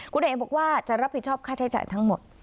คุณเอ๋บอกว่าจะรับผิดชอบค่าใช้จ่ายทั้งหมด